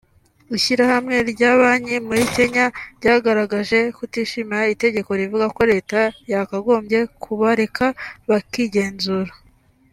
Ishyirahamwe ry’amabanki muri Kenya ryagaragaje kutishimira iri tegeko rivuga ko Leta yakagombye kubareka bakigenzura